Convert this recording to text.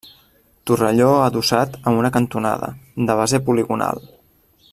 Torrelló adossat a una cantonada, de base poligonal.